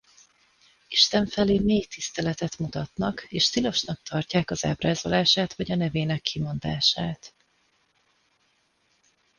Isten felé mély tiszteletet mutatnak és tilosnak tartják az ábrázolását vagy a nevének kimondását.